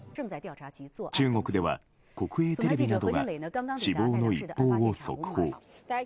中国では、国営テレビなどが死亡の一報を速報。